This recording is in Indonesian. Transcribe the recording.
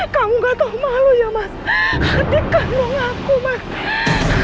kamu gak tahu malu ya mas adik kamu ngaku mas